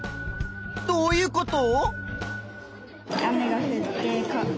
どういうこと？